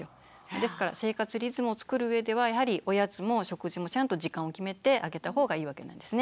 ですから生活リズムをつくるうえではやはりおやつも食事もちゃんと時間を決めてあげた方がいいわけなんですね。